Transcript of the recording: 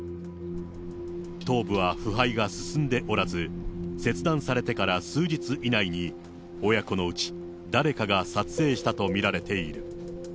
頭部は腐敗が進んでおらず、切断されてから数日以内に、親子のうち誰かが撮影したと見られている。